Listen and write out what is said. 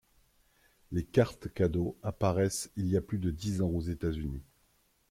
Les cartes cadeau apparaissent il y a plus de dix ans aux États-Unis.